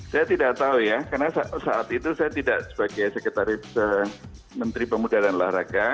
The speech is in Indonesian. saya tidak tahu ya karena saat itu saya tidak sebagai sekretaris menteri pemuda dan olahraga